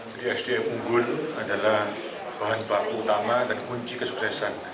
jadi sdm unggul adalah bahan baku utama dan kunci kesuksesan